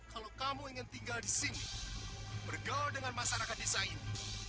kalau kamu ingin tinggal di sini bergaul dengan masyarakat desa ini